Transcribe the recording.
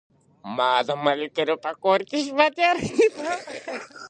ما د ملګري په کور کې شپه تیره کړه .